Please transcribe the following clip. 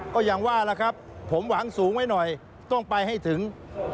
ก็อย่างว่าล่ะครับผมหวังสูงไว้หน่อยต้องไปให้ถึง